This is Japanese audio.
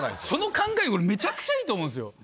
その考え、俺、めちゃくちゃいいと思うんですよ。